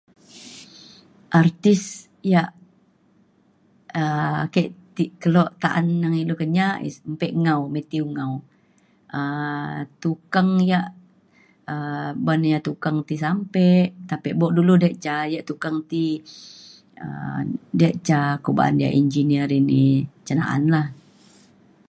artis ia' um ake ti kelo ta'an neng ilu Kenyah artis mpe Ngau Ngau Mathew Ngau. um tukeng ia' um ban ia' tukeng ti sampe tapi buk dulu diak ca tukang ia' tukeng ti um diak ca ko ba'an ia' engineer ini ca na'an lah.